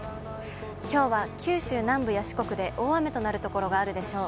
きょうは九州南部や四国で大雨となる所があるでしょう。